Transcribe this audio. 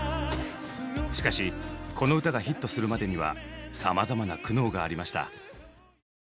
しかしこの歌がヒットするまでにはさまざまな苦悩がありました。